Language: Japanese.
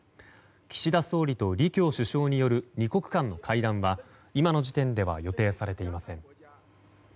岸田総理と李強首相による２国間の会談は今の時点では予定されていません。